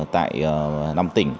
tại năm tỉnh